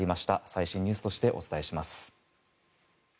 最新ニュースとしてお伝えします。